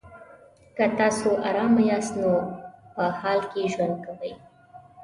که تاسو ارامه یاست نو په حال کې ژوند کوئ.